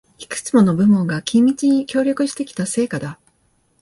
いくつもの部門が緊密に協力してきた成果だ